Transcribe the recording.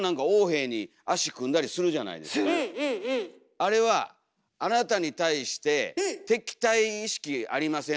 あれはあなたに対して敵対意識ありません